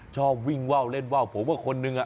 ชอบวิ่งว่าวเล่นว่าวผมว่าคนนึงอ่ะ